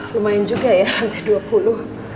lumayan juga ya nanti dua puluh